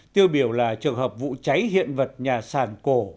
tiêu biểu là trường hợp vụ cháy hiện vật nhà sàn cổ